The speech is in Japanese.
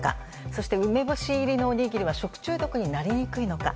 そして、梅干し入りのおにぎりは食中毒になりにくいのか。